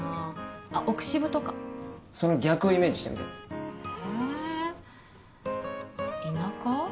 ああっ奥渋とかその逆をイメージしてみてえ田舎？